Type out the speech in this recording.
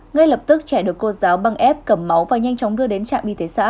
ngay lập tức trẻ được cô giáo băng ép cầm máu và nhanh chóng đưa đến trạm y tế xã